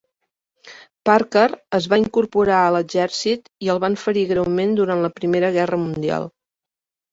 Parker es va reincorporar a l'exercit i el van ferir greument durant la Primera Gerra Mundial.